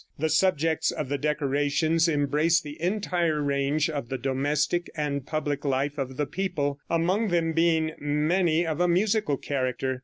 The subjects of the decorations embrace the entire range of the domestic and public life of the people, among them being many of a musical character.